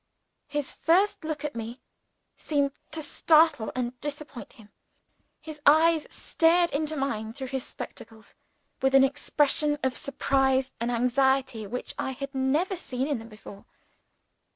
His first look at me seemed to startle and disappoint him. His eyes stared into mine through his spectacles with an expression of surprise and anxiety which I had never seen in them before.